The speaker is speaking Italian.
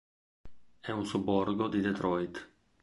È un sobborgo di Detroit.